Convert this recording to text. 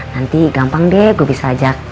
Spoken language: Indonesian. nanti gampang deh gue bisa ajak